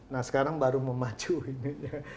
nah sekarang baru memacu ini ya